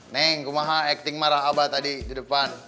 neng kumaha acting marah abah tadi di depan